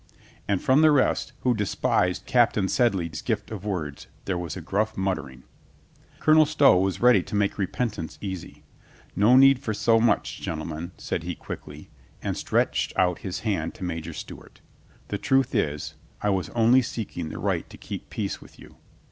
And from the rest, who despised Captain Sedley's gift of words, there was a gruff muttering. Colonel Stow was ready to make repentance easy. "No need for so much, gentlemen," said he quickly, and stretched out his hand to Major Stewart. "The truth is, I was only seeking the right to keep peace with you."